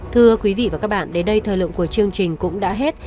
thưa quý vị và các bạn đến đây thời lượng của chương trình cũng đã hết